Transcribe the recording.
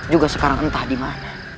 juga sekarang entah dimana